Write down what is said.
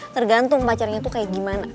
tergantung pacarnya tuh kayak gimana